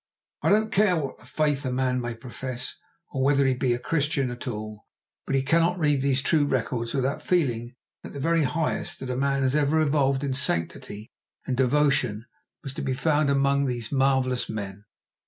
I don't care what faith a man may profess, or whether he be a Christian at all, but he cannot read these true records without feeling that the very highest that man has ever evolved in sanctity and devotion was to be found among these marvellous men.